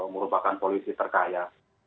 merupakan polisi terkaya